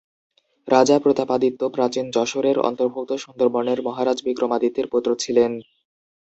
রাজা প্রতাপাদিত্য প্রাচীন যশোরের অন্তর্ভুক্ত সুন্দরবনের মহারাজা বিক্রমাদিত্যের পুত্র ছিলেন।